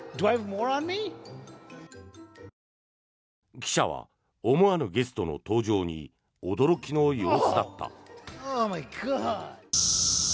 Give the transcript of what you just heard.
記者は思わぬゲストの登場に驚きの様子だった。